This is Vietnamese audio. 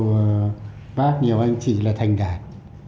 có nhiều bác nhiều anh chị là thành đạt